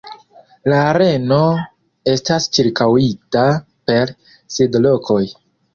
La areno estas ĉirkaŭita per sidlokoj.